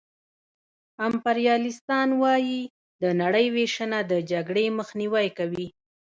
امپریالیستان وايي د نړۍ وېشنه د جګړې مخنیوی کوي